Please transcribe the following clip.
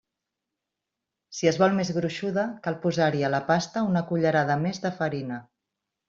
Si es vol més gruixuda, cal posar-hi a la pasta una cullerada més de farina.